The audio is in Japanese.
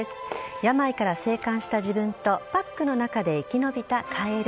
病から生還した自分とパックの中で生き延びたカエル。